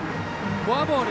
フォアボール。